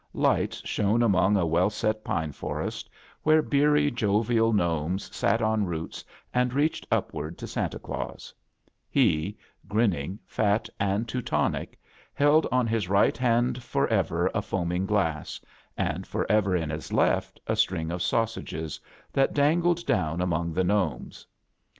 Lights shone among a well set pine forest, where beery, Jovial gnomes sat on roots and reached upward to Santa Oaus; he, grinning, fat, and Teu tonic, held in his right hand forever a foam ing sJass, and forever in his left a string ,\^, of sausages that dangled down among the gnomes.